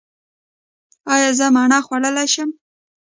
ایا زه مڼه خوړلی شم؟